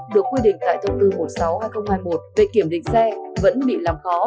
được quy định tại thông tư một trăm sáu hai nghìn hai mươi một về kiểm định xe vẫn bị làm khó